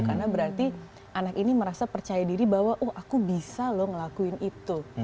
karena berarti anak ini merasa percaya diri bahwa oh aku bisa loh ngelakuin itu